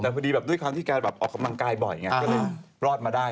แต่พอดีแบบด้วยความที่แกแบบออกกำลังกายบ่อยไงก็เลยรอดมาได้